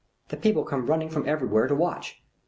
The people come running from everywhere to watch.